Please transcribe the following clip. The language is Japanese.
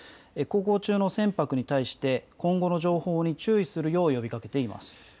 航行中の船舶に対して、今後の情報に注意するよう呼びかけています。